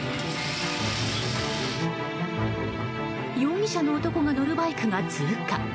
容疑者の男が乗るバイクが通過。